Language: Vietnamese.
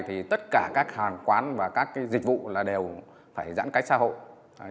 thì tất cả các hàng quán và các dịch vụ là đều phải giãn cách xã hội